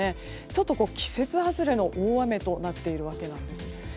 ちょっと季節外れの大雨となっているわけなんです。